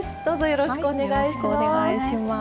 よろしくお願いします。